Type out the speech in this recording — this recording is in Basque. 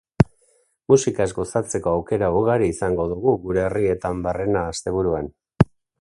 Musikaz gozatzeko aukera ugari izango dugu gure herrietan barrena asteburuan.